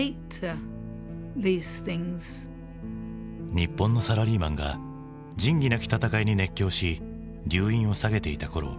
日本のサラリーマンが「仁義なき戦い」に熱狂し留飲を下げていたころ